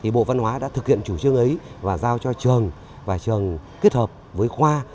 bộ văn hóa đã thực hiện chủ trương ấy và giao cho trường và trường kết hợp với khoa